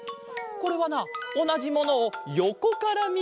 これはなおなじものをよこからみたかげだ！